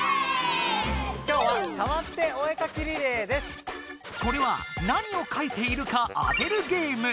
今日はこれは何をかいているか当てるゲーム。